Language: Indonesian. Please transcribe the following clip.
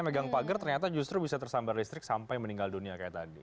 megang pagar ternyata justru bisa tersambar listrik sampai meninggal dunia kayak tadi